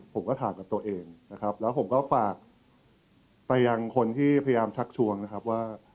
ผมก็ถามกับตัวเองนะครับแล้วผมก็ฝากไปยังคนที่พยายามชักชวนนะครับว่า